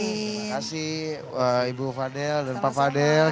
terima kasih ibu fadel dan pak fadil